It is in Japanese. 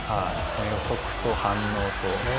予測と反応と。